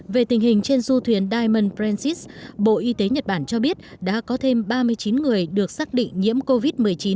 về tình hình trên du thuyền diamond francis bộ y tế nhật bản cho biết đã có thêm ba mươi chín người được xác định nhiễm covid một mươi chín